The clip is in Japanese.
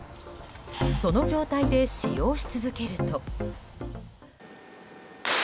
その状態で使用し続けると。